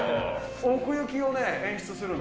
奥行きをね、演出するの。